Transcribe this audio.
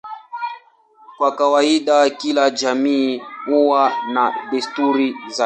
Kwa kawaida kila jamii huwa na desturi zake.